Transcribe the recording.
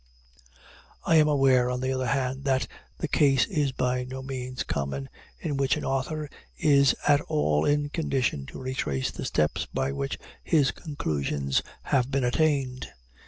I am aware, on the other hand, that the case is by no means common, in which an author is at all in condition to retrace the steps by which his conclusions have been attained.